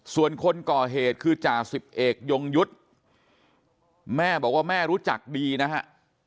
ส่วนคนก่อเหตุคือจ่าสิบเอกยงยุทธ์แม่บอกว่าแม่รู้จักดีนะฮะ